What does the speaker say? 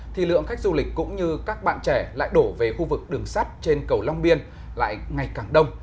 thì lượng khách du lịch cũng như các bạn trẻ lại đổ về khu vực đường sắt trên cầu long biên lại ngày càng đông